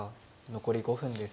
残り５分です。